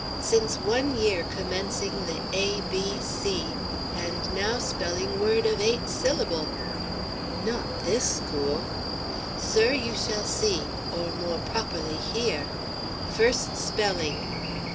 Since one year commencing the A B C and now spelling word' of eight syllabl'!" "Not this school?" "Sir, you shall see or, more p'operly, hear. First spelling!"